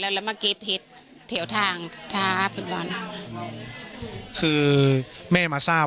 ปกติพี่สาวเราเนี่ยครับเป็นคนเชี่ยวชาญในเส้นทางป่าทางนี้อยู่แล้วหรือเปล่าครับ